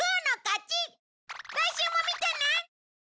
来週も見てね！